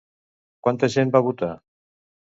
Quanta gent va votar?